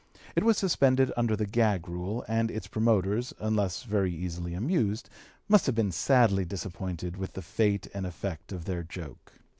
It was suspended under the "gag" rule, and its promoters, unless very easily amused, must have been sadly disappointed with the fate and effect of their joke.